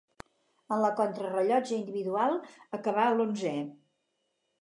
En la contrarellotge individual acabà l'onzè.